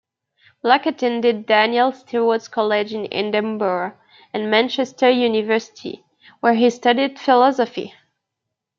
Black attended Daniel Stewart's College in Edinburgh and Manchester University, where he studied philosophy.